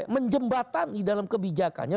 menjembatan di dalam kebijakannya